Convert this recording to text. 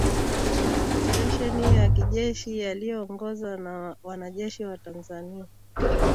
oparesheni ya kijeshi yaliyoongozwa na wanajeshi wa Tanzania